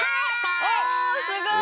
おすごい！